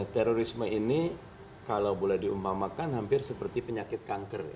terorisme ini kalau boleh diumpamakan hampir seperti penyakit kanker